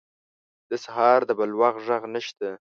د سهار د بلوغ ږغ نشته